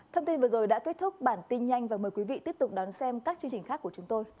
thông tin vừa rồi đã kết thúc bản tin nhanh và mời quý vị tiếp tục đón xem các chương trình khác của chúng tôi